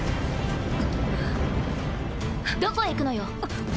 ・どこへ行くのよ。